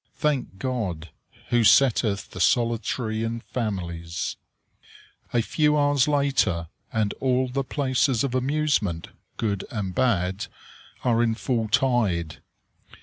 Thank God! "who setteth the solitary in families!" A few hours later, and all the places of amusement, good and bad, are in full tide.